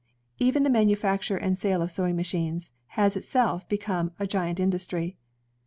Even the manufacture and sale of sewing machines has in itself become a giant industry.